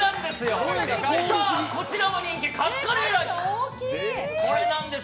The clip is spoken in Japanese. そしてこちらも人気カツカレーライスです。